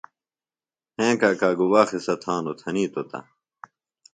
ہیں کاکا گُبا قِصہ تھانوۡ تھنیتوۡ تہ،